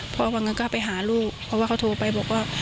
เพราะว่างั้นก็ไปหาลูกเพราะว่าเขาโทรไปบอกว่า